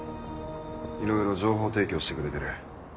いろいろ情報提供してくれてる。